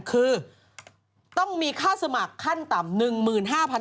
สวัสดีค่าข้าวใส่ไข่